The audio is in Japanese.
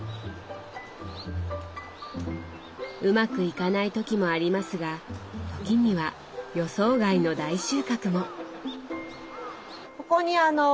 うまくいかない時もありますが時には予想外の大収穫も。